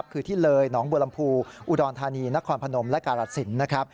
คือที่เลยหนองบัวลำภูอุดรธานีนครพนมและกาหลัดสิน